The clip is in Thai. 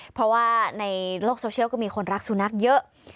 เพราะว่าในโลกโซเชียลก็มีคนรักสุนัขเยอะ